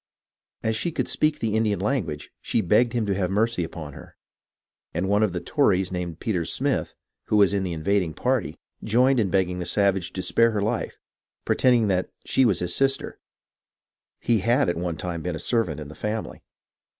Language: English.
As she could speak the Indian language, she begged him to have mercy upon her ; and one of the Tories named Peter Smith, who was in the invading party, joined in begging the savage to spare her life, pretending that.she was his sister (he had at one time been a servant in the family).